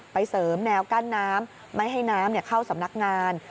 เสริมแนวกั้นน้ำไม่ให้น้ำเข้าสำนักงาน